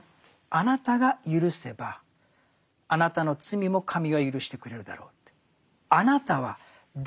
あなたがゆるせばあなたの罪も神はゆるしてくれるだろうって。